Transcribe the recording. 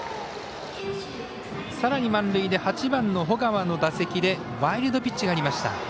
さらに満塁で８番の保川の打席でワイルドピッチがありました。